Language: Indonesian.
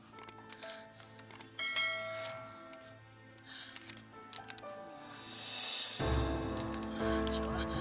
apa yang terjadi